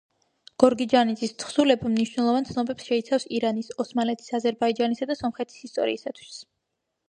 გორგიჯანიძის თხზულება მნიშვნელოვან ცნობებს შეიცავს ირანის, ოსმალეთის, აზერბაიჯანისა და სომხეთის ისტორიისათვის.